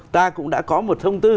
ta cũng đã có một thông tư